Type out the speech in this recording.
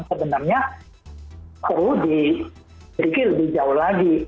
sebenarnya perlu diberikan lebih jauh lagi